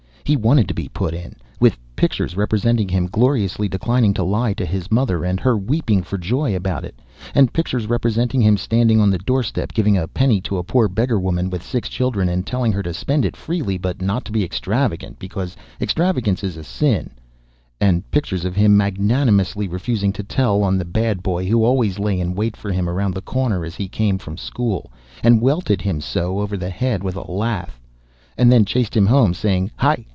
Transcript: He wanted to be put in, with pictures representing him gloriously declining to lie to his mother, and her weeping for joy about it; and pictures representing him standing on the doorstep giving a penny to a poor beggar woman with six children, and telling her to spend it freely, but not to be extravagant, because extravagance is a sin; and pictures of him magnanimously refusing to tell on the bad boy who always lay in wait for him around the corner as he came from school, and welted him so over the head with a lath, and then chased him home, saying, "Hi!